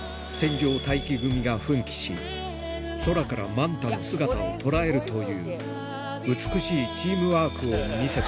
ただが空からマンタの姿を捉えるという美しいチームワークを見せた